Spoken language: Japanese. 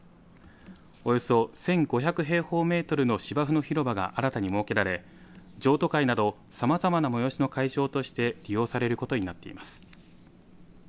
およそ１５００平方メートルの芝生の広場が新たに設けられ、譲渡会などさまざまな催しの会場として利用されることになっています。